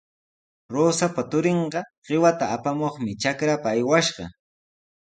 Rosapa turinqa qiwata apamuqmi trakrapa aywashqa.